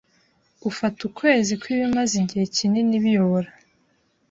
ufata ukwezi kwibimaze igihe kinini biyobora